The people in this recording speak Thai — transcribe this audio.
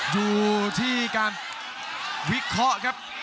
อยู่ที่การวิเคราะห์ครับ